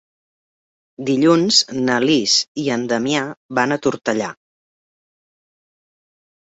Dilluns na Lis i en Damià van a Tortellà.